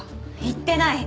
行ってない！